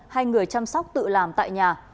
hay người chăm sóc tự làm tại nhà